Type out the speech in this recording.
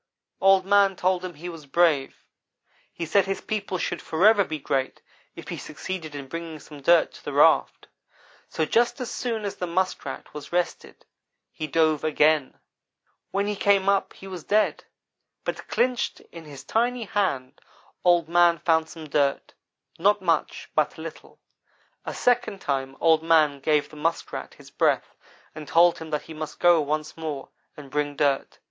"Old man told him he was brave. He said his people should forever be great if he succeeded in bringing some dirt to the raft; so just as soon as the Muskrat was rested he dove again. "When he came up he was dead, but clinched in his tiny hand Old man found some dirt not much, but a little. A second time Old man gave the Muskrat his breath, and told him that he must go once more, and bring dirt.